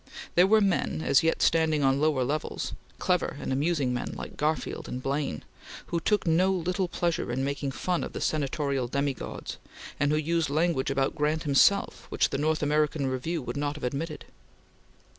There were men, as yet standing on lower levels clever and amusing men like Garfield and Blaine who took no little pleasure in making fun of the senatorial demi gods, and who used language about Grant himself which the North American Review would not have admitted.